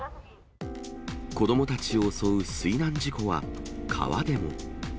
子どもたちを襲う水難事故は、川でも。